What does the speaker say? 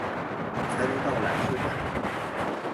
才能到缆车站